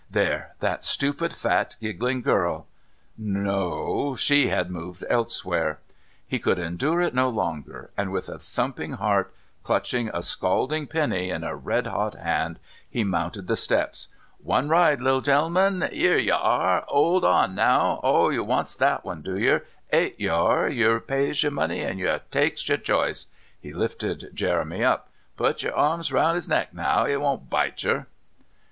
There, that stupid fat giggling girl! No she had moved elsewhere... He could endure it no longer and, with a thumping heart, clutching a scalding penny in a red hot hand, he mounted the steps. "One ride little gen'elman. 'Ere you are! 'Old on now! Oh, you wants that one, do yer? Eight yer are yer pays yer money and yer takes yer choice." He lifted Jeremy up. "Put yer arms round 'is neck now 'e won't bite yer!"